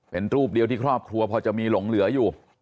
เป็นรูปเดียวที่ครอบครัวพอจะมีหลงเหลืออยู่